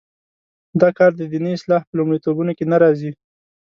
دا کار د دیني اصلاح په لومړیتوبونو کې نه راځي.